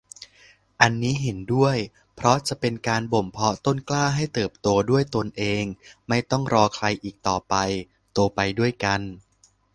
อันนี้เห็นด้วยเพราะจะเป็นการบ่มเพาะต้นกล้าให้เติบโตด้วยตนเอง ไม่ต้องรอใครอีกต่อไป โตไปด้วยกัน